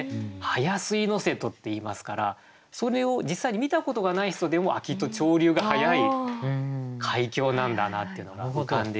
「速吸瀬戸」っていいますからそれを実際に見たことがない人でもきっと潮流が速い海峡なんだなっていうのが浮かんできて。